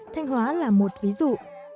thanh hóa là một ví dụ